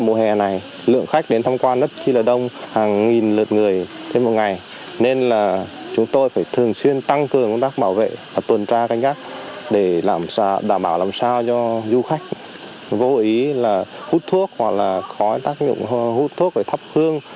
dù ngày hay đêm dù trời nắng những bước chân này vẫn đều đặn đi tuần tra canh gác các địa điểm ở khu di tích kim liên